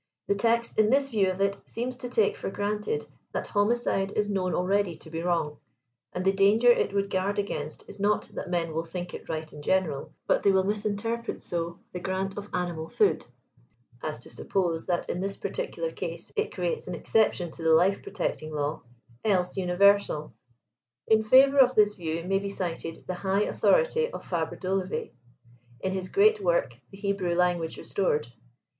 The text, in this view of it, seems to take for granted that homicide is known already to be wrong ; and the danger it would guard against is not that men will think it right in general, but that they will misinterpret so the grant of animal food, as to suppose that in this particular case it creates an ex ception to the life protecting law, else universal. In favor of this view may be cited the high authority of Fabre d'Olivet, in his great work, "the Hebrew Language Restored."